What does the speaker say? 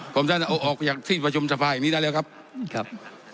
ผมท่านออกไปอยากที่ประชุมสภายนี้ได้แล้วครับครับ